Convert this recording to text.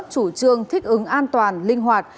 chủ trương thích ứng an toàn linh hoạt